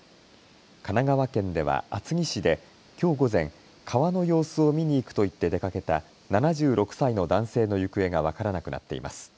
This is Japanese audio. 神奈川県では厚木市できょう午前、川の様子を見に行くと言って出かけた７６歳の男性の行方が分からなくなっています。